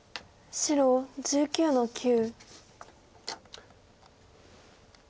白１９の九。